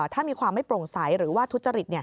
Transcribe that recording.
ถ้ามีความไม่โปร่งใสหรือว่าทุจริต